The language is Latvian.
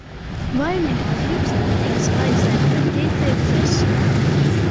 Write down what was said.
Vai nemaz jums netīk Zvaigznēm pretī tiekties?